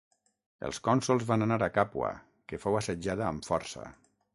Els cònsols van anar a Càpua que fou assetjada amb força.